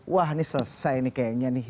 wah ini selesai nih kayaknya nih